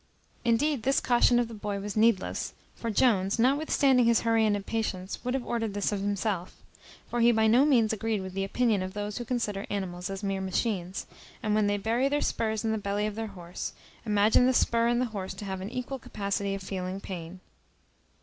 Indeed this caution of the boy was needless; for Jones, notwithstanding his hurry and impatience, would have ordered this of himself; for he by no means agreed with the opinion of those who consider animals as mere machines, and when they bury their spurs in the belly of their horse, imagine the spur and the horse to have an equal capacity of feeling pain.